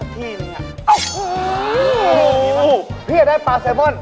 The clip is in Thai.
พี่อยากได้ปลาซอมม่อน